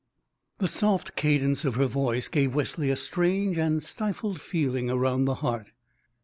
The soft cadence of her voice gave Wesley a strange and stifled feeling around the heart.